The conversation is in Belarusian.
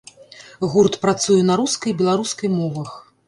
Гурт працуе на рускай і беларускай мовах.